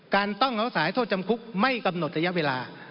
ต้องเอาสายโทษจำคุกไม่กำหนดระยะเวลา